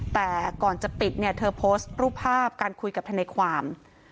แต่ก่อนจะปิดเธอโพสต์รูปภาพการคุยกับฐานในความ